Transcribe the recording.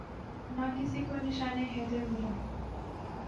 نہ کسی کو نشان حیدر ملا